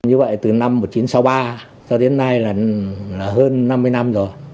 như vậy từ năm một nghìn chín trăm sáu mươi ba cho đến nay là hơn năm mươi năm rồi